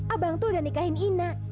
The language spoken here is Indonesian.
abang tuh udah nikahin ina